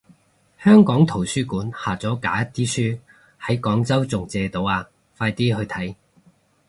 香港圖書館下咗架啲書喺廣州仲借到啊，快啲去睇